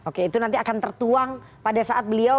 oke itu nanti akan tertuang pada saat beliau